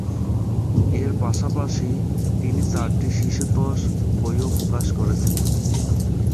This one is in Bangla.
এর পাশাপাশি তিনি চারটি শিশুতোষ বইও প্রকাশ করেছিলেন।